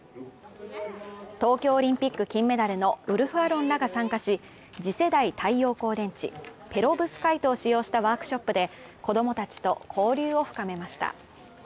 東京オリンピック金メダルのウルフ・アロンらが参加し次世代太陽光電池、ペロブスカイトを使用したワークショップで、子供たちと交流を深めました。